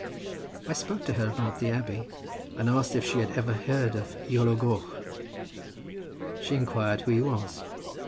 I spoke to her about the abbey, and asked if she had ever heard of Iolo Goch. She inquired who he was.